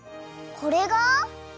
これが！？